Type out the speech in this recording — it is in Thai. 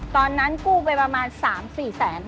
ตอนนั้นกู้ไปประมาณ๓๔แสน